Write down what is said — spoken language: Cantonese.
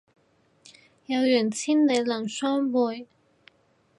有緣千里能相會